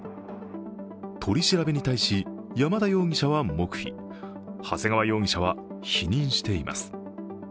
取り調べに対し、山田容疑者は黙秘長谷川容疑者は否認しています。